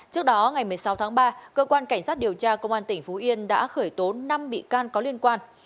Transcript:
trước đó ngày một mươi sáu tháng ba cơ quan cảnh sát điều tra công an tỉnh phú yên đã khởi tố năm bị can có liên quan